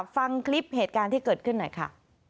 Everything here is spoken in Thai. ฟังคลิปเหตุการณ์ที่เกิดขึ้นหน่อยค่ะ